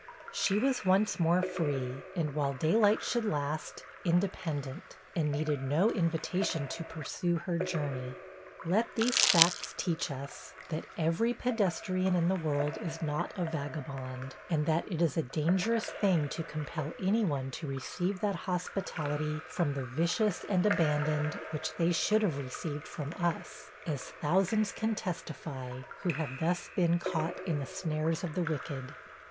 She was once more free, and while daylight should last, independent, and needed no invitation to pursue her journey. Let these facts teach us, that every pedestrian in the world is not a vagabond, and that it is a dangerous thing to compel any one to receive that hospitality from the vicious and abandoned which they should have received from us, as thousands can testify, who have thus been caught in the snares of the wicked.